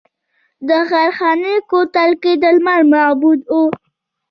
د خیرخانې کوتل کې د لمر معبد و